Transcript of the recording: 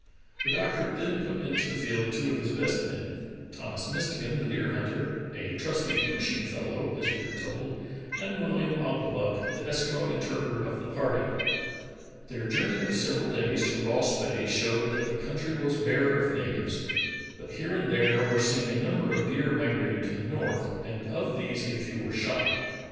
The doctor then put into the field two of his best men, Thomas Mistegan, the deer hunter, "a trusty, pushing fellow," as we are told, and WilHam Ouglibuck, the Eskimo interpreter of the party. Their journey of several days to Ross Bay showed that the country was bare of na tives, but here and there were seen a number of deer migrating to the north, and of these a few were shot.